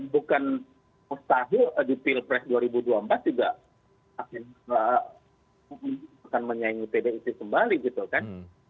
bukan mustahil di pilpres dua ribu dua puluh empat juga akan menyaingi pdip kembali gitu kan